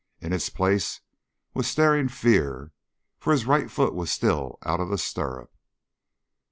In its place was staring fear, for his right foot was still out of the stirrup.